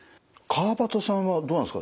川畑さんはどうなんですか？